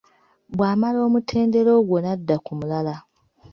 Bw’amala omutendera ogwo n’adda ku mulala